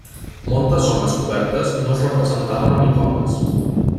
Moltes zones cobertes no es representaven amb icones.